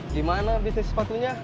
dimana bisnis sepatunya